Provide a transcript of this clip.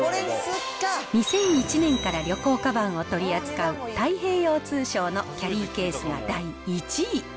２００１年から旅行かばんを取り扱う太平洋通商のキャリーケースが第１位。